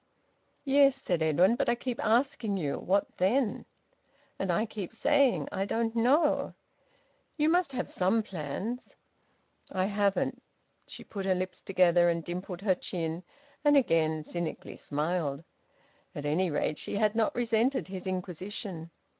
"Yes," said Edwin. "But I keep asking you what then?" "And I keep saying I don't know." "You must have some plans?" "I haven't." She put her lips together, and dimpled her chin, and again cynically smiled. At any rate she had not resented his inquisition.